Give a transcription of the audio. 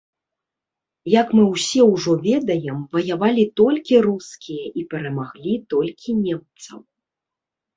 Як мы ўсе ўжо ведаем, ваявалі толькі рускія, і перамаглі толькі немцаў.